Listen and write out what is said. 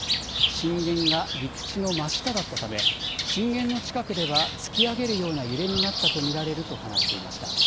震源が陸地の真下だったため震源の近くでは突き上げるような揺れになったと見られると話していました。